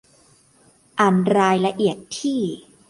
อ่านรายละเอียดที่